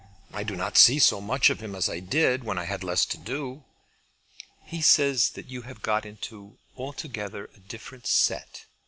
I do not see so much of him as I did when I had less to do." "He says that you have got into altogether a different set."